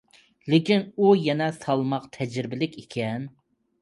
لېكىن ئۇ يەنە سالماق، تەجرىبىلىك ئىكەن.